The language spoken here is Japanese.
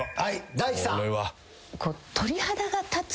大地さん。